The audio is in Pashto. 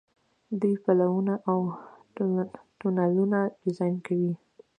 دوی پلونه او تونلونه ډیزاین کوي.